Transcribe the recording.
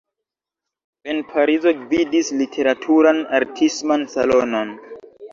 En Parizo gvidis literaturan-artisman salonon.